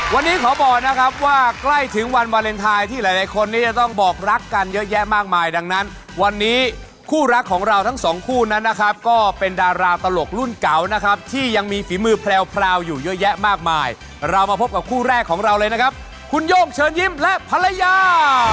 วันนี้ขอบอกนะครับว่าใกล้ถึงวันวาเลนไทยที่หลายคนนี้จะต้องบอกรักกันเยอะแยะมากมายดังนั้นวันนี้คู่รักของเราทั้งสองคู่นั้นนะครับก็เป็นดาราตลกรุ่นเก่านะครับที่ยังมีฝีมือแพรวอยู่เยอะแยะมากมายเรามาพบกับคู่แรกของเราเลยนะครับคุณโย่งเชิญยิ้มและภรรยา